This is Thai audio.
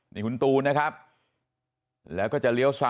นี่คุณตูนอายุ๓๗ปีนะครับ